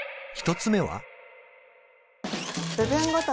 １つ目は？